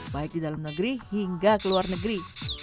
baik di dalam negeri hingga ke luar negeri